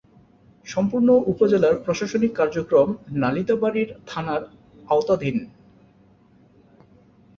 সম্পূর্ণ উপজেলার প্রশাসনিক কার্যক্রম নালিতাবাড়ী থানার আওতাধীন।